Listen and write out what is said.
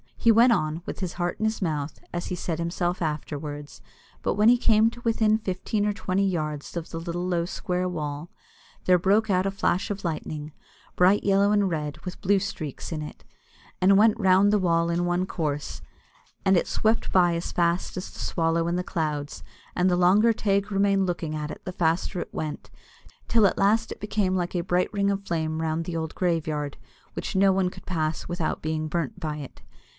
He went on, "with his heart in his mouth," as he said himself afterwards; but when he came to within fifteen or twenty yards of the little low square wall, there broke out a flash of lightning, bright yellow and red, with blue streaks in it, and went round about the wall in one course, and it swept by as fast as the swallow in the clouds, and the longer Teig remained looking at it the faster it went, till at last it became like a bright ring of flame round the old graveyard, which no one could pass without being burnt by it.